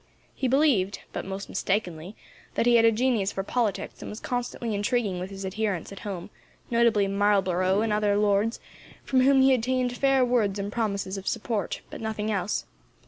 He believed but most mistakenly that he had a genius for politics, and was constantly intriguing with his adherents at home, notably Marlborough and other lords, from whom he obtained fair words and promises of support, but nothing else.